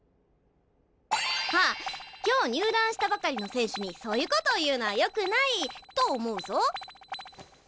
ああ今日入団したばかりの選手にそういうことを言うのはよくないと思うぞ。